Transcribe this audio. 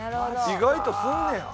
意外とすんねや。